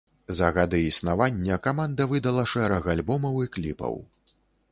За гады існавання каманда выдала шэраг альбомаў і кліпаў.